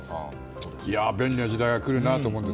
便利な時代が来るなと思って。